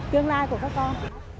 tương lai của các con